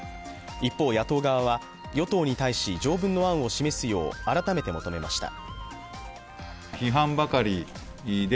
一方、野党側は与党に対し条文の案を示すよう改めて求めました。